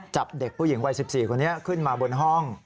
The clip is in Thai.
จับเด็กผู้หญิงวัย๑๔คนนี้ขึ้นมาบนห้อง